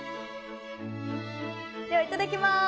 ではいただきます。